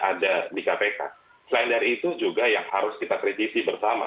ada di kpk selain dari itu juga yang harus kita kritisi bersama